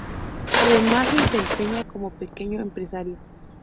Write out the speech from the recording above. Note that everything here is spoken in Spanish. Además, se desempeña como pequeño empresario.